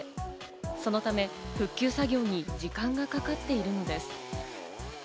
そのため復旧作業に時間がかかっているのです。